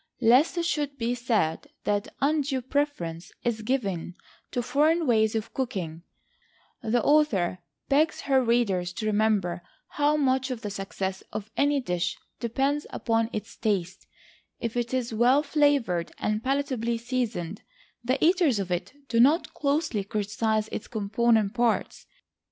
Lest it should be said that undue preference is given to foreign ways of cooking, the author begs her readers to remember how much of the success of any dish depends upon its taste; if it is well flavored, and palatably seasoned, the eaters of it do not closely criticise its component parts.